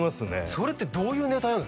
それってどういうネタやるんすか？